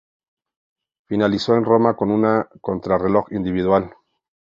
Finalizó en Roma con una contrarreloj individual.